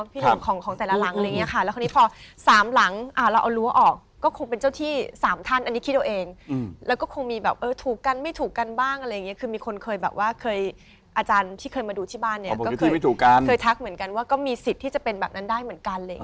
หนึ่งของของแต่ละหลังอะไรอย่างนี้ค่ะแล้วคราวนี้พอสามหลังเราเอารั้วออกก็คงเป็นเจ้าที่สามท่านอันนี้คิดเอาเองแล้วก็คงมีแบบเออถูกกันไม่ถูกกันบ้างอะไรอย่างเงี้คือมีคนเคยแบบว่าเคยอาจารย์ที่เคยมาดูที่บ้านเนี่ยก็เคยทักเหมือนกันว่าก็มีสิทธิ์ที่จะเป็นแบบนั้นได้เหมือนกันอะไรอย่างนี้